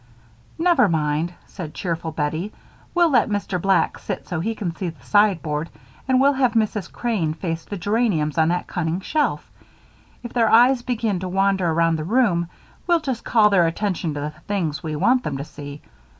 "Never mind," said cheerful Bettie. "We'll let Mr. Black sit so he can see the sideboard, and we'll have Mrs. Crane face the geraniums on that cunning shelf. If their eyes begin to wander around the room we'll just call their attention to the things we want them to see.